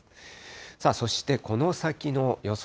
さあそして、この先の予想